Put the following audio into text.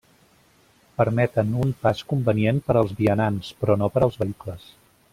Permeten un pas convenient per als vianants, però no per als vehicles.